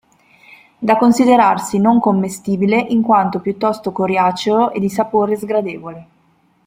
Da considerarsi non commestibile in quanto piuttosto coriaceo e di sapore sgradevole.